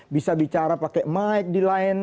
bisa bicara pakai mic di lain